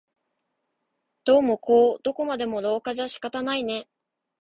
どうもこうどこまでも廊下じゃ仕方ないね